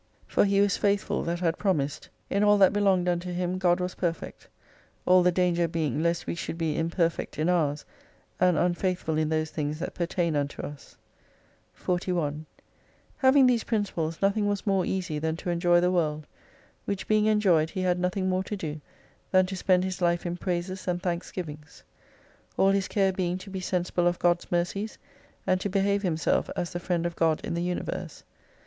For He was faithful that had promised ; in all that belonged unto Him God was perfect ; all the danger being lest we should be imperfect in ours, and unfaithful in those things that pertain unto us. 41 Having these principles nothing was more easy than to enjoy the world. Which being enjoyed, he had nothing more to do, than to spend his life in praises and thanksgivings. All his care being to be sensible of God's mercies, and to behave himself as the friend of God in the Universe.